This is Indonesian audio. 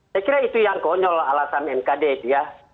saya kira itu yang konyol alasan mkd itu ya